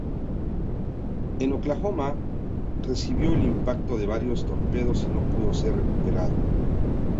El "Oklahoma" recibió el impacto de varios torpedos y no pudo ser recuperado.